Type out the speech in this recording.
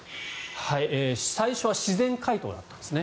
最初は自然解凍だったんですね。